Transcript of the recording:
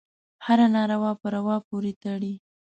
هره ناروا په روا پورې تړي.